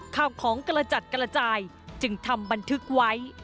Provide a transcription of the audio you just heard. ข้าวของกระจัดกระจายจึงทำบันทึกไว้